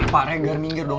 pak regar minggir dong